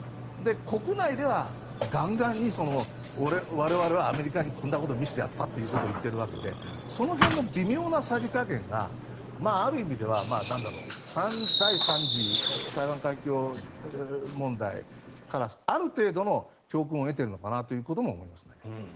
国内ではガンガンに我々はアメリカにこんなことを見せてやったと言っているわけでその辺の微妙なさじ加減がある意味では第３次台湾海峡問題からある程度の教訓を得ているのかなということも思いますね。